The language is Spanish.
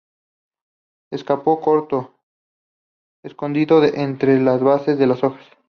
Escapo corto, escondido entre las bases de las hojas.